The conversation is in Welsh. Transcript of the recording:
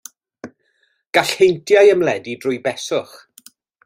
Gall heintiau ymledu drwy beswch.